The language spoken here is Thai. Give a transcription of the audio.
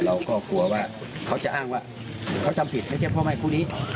เราก็กลัวว่าเขาจะอ้างว่าเขาทำผิดไม่ใช่พ่อแม่คู่นี้